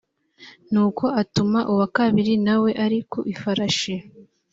nuko atuma uwa kabiri na we ari ku ifarashi